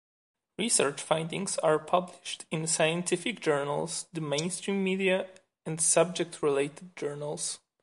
Research findings are published in scientific journals, the mainstream media and subject-related journals.